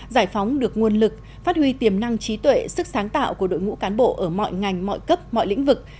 giải phóng được nguồn lực phát huy tiềm năng trí tuệ sức sáng tạo của đội ngũ cán bộ ở mọi ngành mọi cấp mọi lĩnh vực